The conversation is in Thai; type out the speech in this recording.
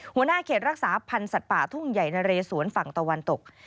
หัวหน้าเขตรักษาพันธ์สัตว์ป่าทุ่งใหญ่นะเรสวนฝั่งตะวันตก